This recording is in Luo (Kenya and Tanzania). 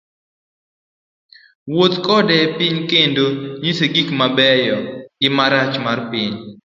Wuoth kode epiny kendo nyise gik mabeyo girach mar piny.